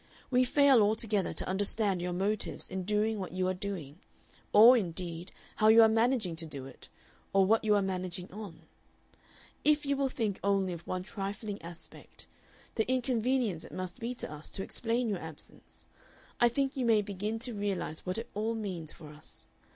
We fail altogether to understand your motives in doing what you are doing, or, indeed, how you are managing to do it, or what you are managing on. If you will think only of one trifling aspect the inconvenience it must be to us to explain your absence I think you may begin to realize what it all means for us.